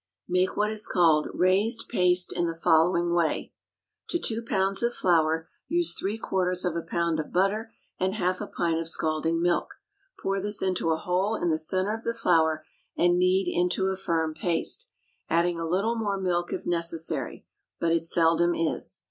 Make what is called "raised" paste in the following way: To two pounds of flour use three quarters of a pound of butter and half a pint of scalding milk; pour this into a hole in the centre of the flour, and knead into a firm paste, adding a little more milk if necessary (but it seldom is).